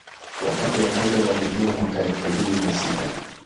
Wakati wa Kombe la Dunia mwaka elfu mbili na sita